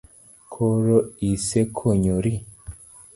Koro isekonyori?